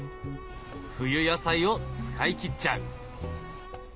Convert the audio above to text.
冬野菜を使い切っちゃう。